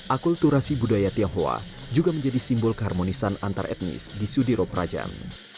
akulturasi budaya tionghoa juga menjadi simbol keharmonisan antar etnis di sudiro prajan